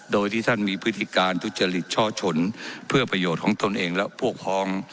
โดยที่ท่านมีพฤติการทุจริตช่อชนเพื่อประโยชน์ของตนเองและพวกพ้อง